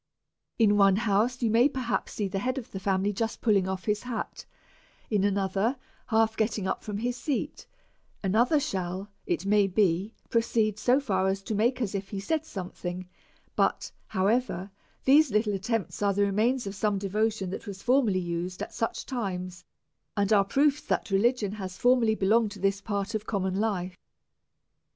In one house you may perhaps see the head of the family just pulling off his hat, in ano ther half getting up from his seat ; another shall, it may be, proceed so far as to make as if he said some thing ; but, however, these little attempts are the re mains of some devotion that was formerly used at such times^ and are proofs that religion has belonged to this part of common life.